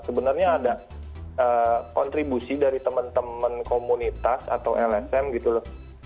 sebenarnya ada kontribusi dari teman teman komunitas atau lsm gitu loh